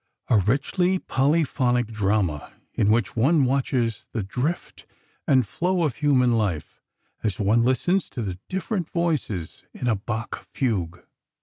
a richly polyphonic drama, in which one watches the drift and flow of human life as one listens to the different voices in a Bach fugue."